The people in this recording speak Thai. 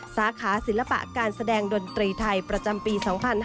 สาขาศิลปะการแสดงดนตรีไทยประจำปี๒๕๕๙